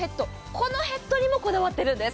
このヘッドにもこだわっているんです。